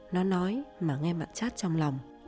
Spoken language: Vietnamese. nó nói mà nghe mặn chát trong lòng